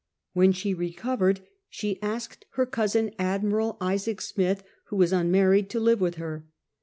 When she re covered she asked her cousin. Admiral Isaac Smith, who was unmarried, to live with her.